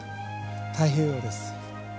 太平洋です。